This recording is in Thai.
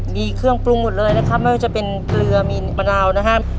มีเครื่องปรุงหมดเลยนะครับไม่ว่าจะเป็นเกลือมีมะนาวนะครับ